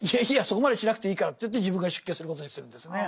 そこまでしなくていいからっていって自分が出家することにするんですね。